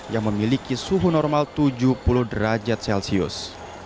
yang memiliki suhu normal tujuh puluh derajat celcius